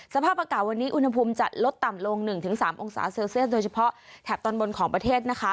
สภาพอากาศวันนี้อุณหภูมิจะลดต่ำลง๑๓องศาเซลเซียสโดยเฉพาะแถบตอนบนของประเทศนะคะ